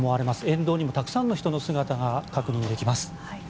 沿道にもたくさんの人の姿が確認できます。